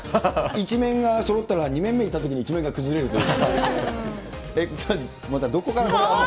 １面がそろったら、２面目いったときに１面が崩れるという。